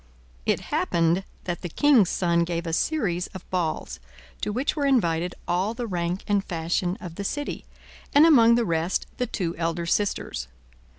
It happened that the king's son gave a series of balls, to which were invited all the rank and fashion of the city, and among the rest the two elder sisters.